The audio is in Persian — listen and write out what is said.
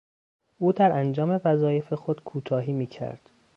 او در انجام وظایف خود کوتاهی میکرد.